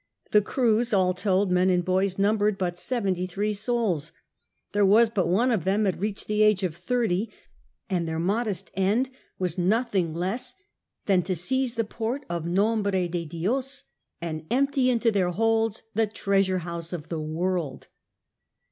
The crews all told, men and boys, numbered but seventy three souls ; there was but one of them had reached the age of thirty, and their modest end was nothing less than to seize the port of Nombre de Dios, and empty into their holds the Treasure House of the World.